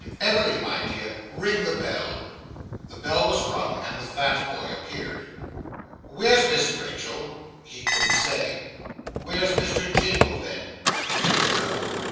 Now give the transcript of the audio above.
Emily, my dear, ring the bell.' The bell was rung, and the fat boy appeared. 'Where's Miss Rachael?' He couldn't say. 'Where's Mr. Jingle, then?' He didn't know.